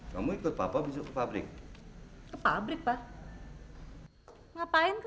sampai jumpa di video selanjutnya